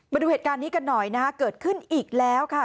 มาดูเหตุการณ์นี้กันหน่อยนะฮะเกิดขึ้นอีกแล้วค่ะ